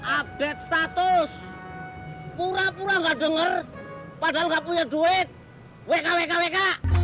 update status pura pura gak denger padahal gak punya duit wk wk wk